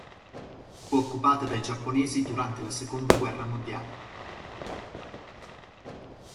Fu occupata dai giapponesi durante la seconda guerra mondiale.